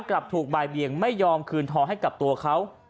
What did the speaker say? กลับถูกบ่ายเบียงไม่ยอมคืนทองให้กับตัวเขา